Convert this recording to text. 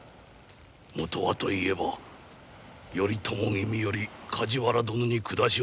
元はと言えば頼朝君より梶原殿に下しおかれたる物。